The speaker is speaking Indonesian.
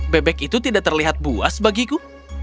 bebek itu tidak terlihat buas bagiku